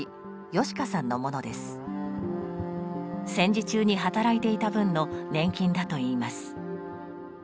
戦時中に働いていた分の年金だといいます。